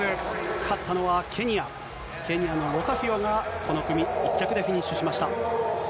勝ったのはケニア、ケニアのロサフィオがこの組、１着でフィニッシュしました。